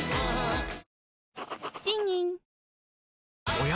おや？